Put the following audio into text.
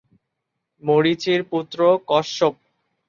মরীচি-র পুত্র কশ্যপ।